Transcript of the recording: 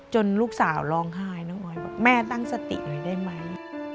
ลูกสาวร้องไห้น้องออยบอกแม่ตั้งสติหน่อยได้ไหม